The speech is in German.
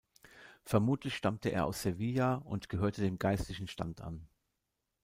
Vermutlich stammte er aus Sevilla und gehörte dem geistlichen Stand an.